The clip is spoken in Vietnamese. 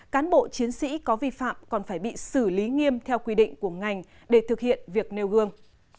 cán bộ chiến sĩ có vi phạm còn phải bị xử lý nghiêm theo quy định của ngành để thực hiện việc nêu gương